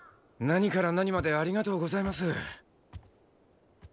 何から何までありがとうございます。